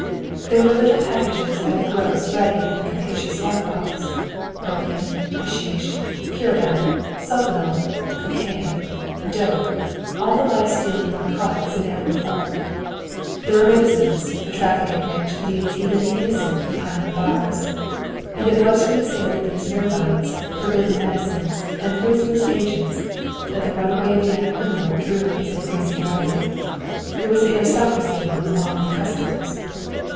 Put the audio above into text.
There were little packages by the gross ready in that capacious lock box. Opium, hasheesh, chorodyne, sulphonal, cocaine, "dope," all the life stealing narcotics in every form. There were medicines the traffic in which leads even the innocent behind the bars. And it was from the sale of these "nervines," forbidden medicines, and poisonous agents that the runaway Vienna criminal drew his increasing revenue. There was an aristocracy among the motley customers.